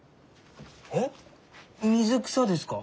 えっ水草ですか？